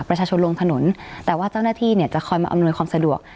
ประชาชนลงถนนแต่ว่าเจ้าหน้าที่เนี่ยจะคอยมาอำนวยความสะดวก